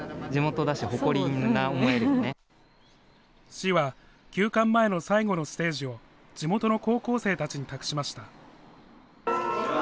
市は休館前の最後のステージを地元の高校生たちに託しました。